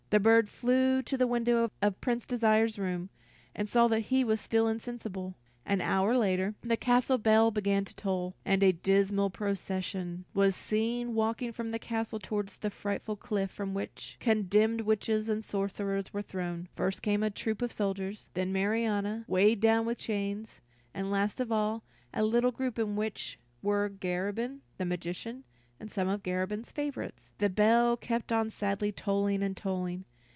The bird flew to the window of Prince Desire's room, and saw that he was still insensible. An hour later the castle bell began to toll, and a dismal procession was seen walking from the castle toward the frightful cliff from which condemned witches and sorcerers were thrown. First came a troop of soldiers, then Marianna, weighted down with chains, and last of all, a little group in which were Garabin, the magician, and some of Garabin's favorites. The bell kept on sadly tolling and tolling.